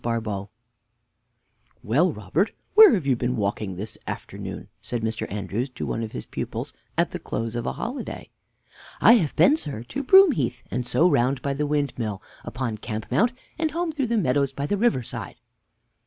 BARBAULD "Well, Robert, where have you been walking this after noon?" said Mr. Andrews, to one of his pupils at the close of a holiday. R. I have been, sir, to Broom heath, and so round by the windmill upon Camp mount, and home through the meadows by the river side.